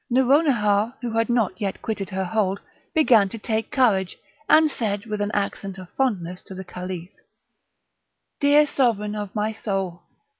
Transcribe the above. Nouronihar, who had not yet quitted her hold, began to take courage, and said, with an accent of fondness to the Caliph: "Dear Sovereign of my soul!